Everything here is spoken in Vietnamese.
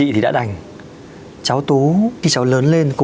thì lúc đấy tú chưa hiểu